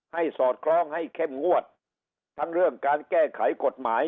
สอดคล้องให้เข้มงวดทั้งเรื่องการแก้ไขกฎหมาย